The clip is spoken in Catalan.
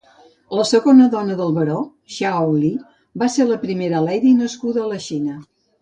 La segona dona del Baró, Hsiao Li, va ser la primera "lady" nascuda a la Xina.